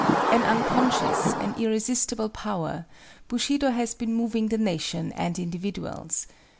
An unconscious and irresistible power, Bushido has been moving the nation and individuals.